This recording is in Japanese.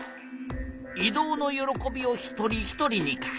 「移動の喜びを一人ひとりに」か。